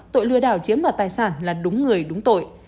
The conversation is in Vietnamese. tội lừa đảo chiếm đoạt tài sản là đúng người đúng tội